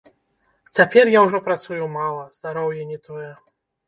Цяпер я ўжо працую мала, здароўе не тое.